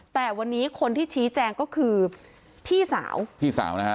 แต่วันนี้คนที่ชี้แจงก็คือพี่สาวพี่สาวนะฮะ